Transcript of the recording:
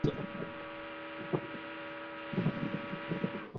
সিরিজটি Japanese anime দ্বারা অনুপ্রাণিত।